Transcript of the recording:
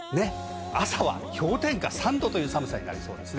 朝は氷点下３度という寒さになりそうです。